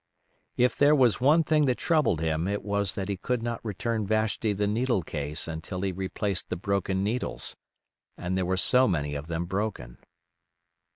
If there was one thing that troubled him it was that he could not return Vashti the needle case until he replaced the broken needles—and there were so many of them broken.